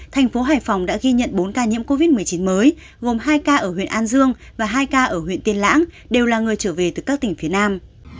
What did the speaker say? thành phố hải phòng đã ghi nhận bốn ca nhiễm covid một mươi chín mới gồm hai ca ở huyện an dương và hai ca ở huyện tiên lãng đều là người trở về từ các tỉnh phía nam